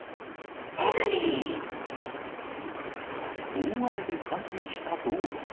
大雨で冠水した道路。